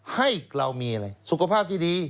ให้เรามีอะไรสุขภาพที่ดี